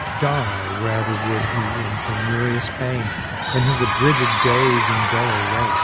Die rather would he in penurious paine, And his abridged dayes in dolour wafl.